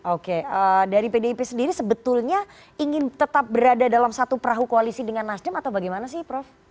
oke dari pdip sendiri sebetulnya ingin tetap berada dalam satu perahu koalisi dengan nasdem atau bagaimana sih prof